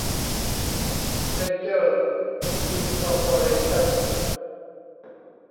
เวนเจอร์ อินคอร์ปอเรชั่น